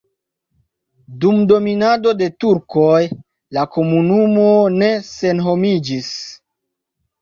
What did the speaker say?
Dum dominado de turkoj la komunumo ne senhomiĝis.